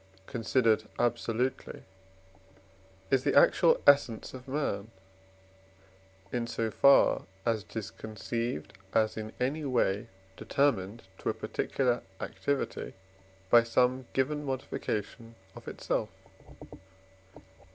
considered absolutely is the actual essence of man, in so far as it is conceived as in any way determined to a particular activity by some given modification of itself.